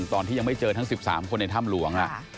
ตอนที่ยังไม่เจอทั้ง๑๓คนในถ้ำหลวง